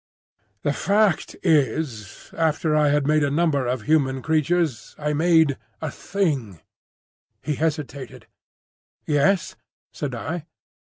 "The fact is, after I had made a number of human creatures I made a Thing—" He hesitated. "Yes?" said I.